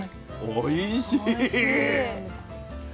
おいしい！